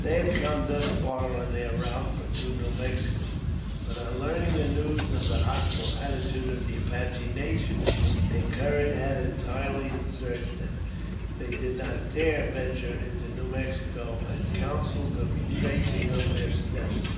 They had come thus far on their route to New Mexico, but, on learning the news of the hostile attitude of the Apache nation, their courage had entirely deserted them. They did not dare venture into New Mexico, and counselled the retracing of their steps.